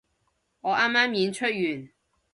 我啱啱演出完